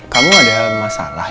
kamu ada masalah